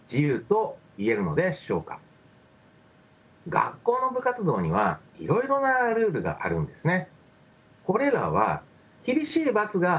学校の部活動にはいろいろなルールがあるんですね。